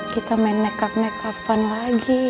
kita main makeup makeupan lagi